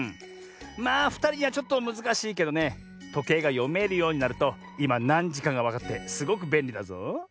まあふたりにはちょっとむずかしいけどねとけいがよめるようになるといまなんじかがわかってすごくべんりだぞ。